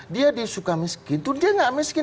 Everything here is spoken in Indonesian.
dia disuka miskin itu dia gak miskin